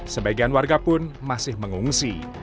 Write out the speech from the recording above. sebagian warga pun masih mengungsi